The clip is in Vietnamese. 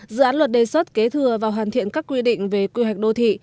dự án luật đề xuất kế thừa và hoàn thiện các quy định về quy hoạch đô thị